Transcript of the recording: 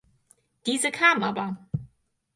Diese kam aber.